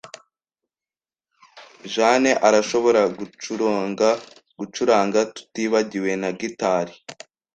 Jane arashobora gucuranga gucuranga, tutibagiwe na gitari.